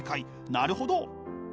なるほど！